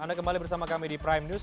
anda kembali bersama kami di prime news